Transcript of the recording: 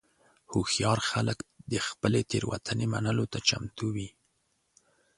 هوښیار خلک د خپلې تېروتنې منلو ته چمتو وي.